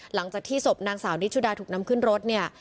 หลังจากที่ศพนางสาวนิชุดาถูกนำขึ้นรถเนี่ย